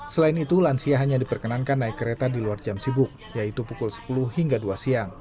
selain itu lansia hanya diperkenankan naik kereta di luar jam sibuk yaitu pukul sepuluh hingga dua siang